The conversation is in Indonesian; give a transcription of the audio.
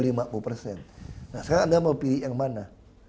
nah sekarang anda mau pilih yang mana